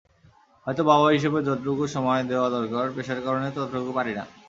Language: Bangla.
হয়তো বাবা হিসেবে যতটুকু সময় দেওয়া দরকার, পেশার কারণে ততটুকু পারি না।